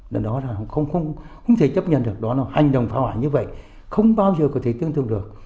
lần đó là không thể chấp nhận được đó là hành động phá hoại như vậy không bao giờ có thể tương thương được